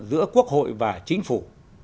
giữa quốc hội và chính phủ